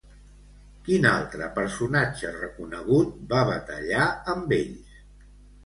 Quin altre personatge reconegut va batallar amb ells?